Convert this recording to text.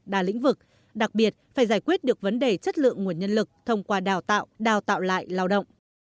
đa lĩnh vực đặc biệt phải giải quyết được vấn đề chất lượng nguồn nhân lực thông qua đào tạo đào tạo lại lao động